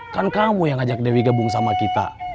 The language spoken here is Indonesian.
kan kamu yang ngajak dewi gabung sama kita